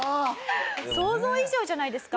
想像以上じゃないですか？